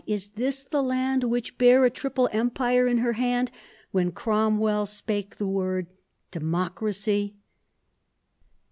is this the land Which bare a triple empire in her hand When Cromwell spake the word Democracy!